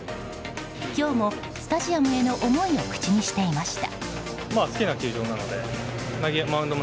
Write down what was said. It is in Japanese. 今日もスタジアムへの思いを口にしていました。